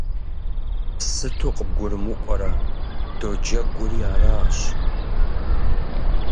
Сыту къыбгурымыӀуэрэ? Доджэгури аращ!